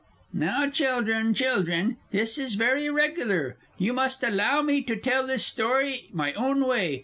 _) Now, children, children! this is very irregular. You must allow me to tell this story my own way.